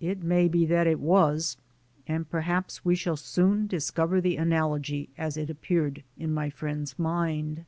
It may be that it was, and perhaps we shall soon dis cover the analogy as it appeared in my friend's mind.